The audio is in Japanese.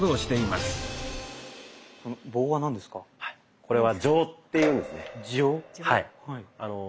これは杖っていうんですね。